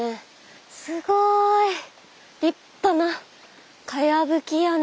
すごい立派なかやぶき屋根。